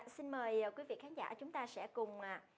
xin mời quý vị khán giả chúng ta sẽ cùng